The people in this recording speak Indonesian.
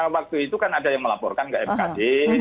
waktu itu kan ada yang melaporkan ke mkd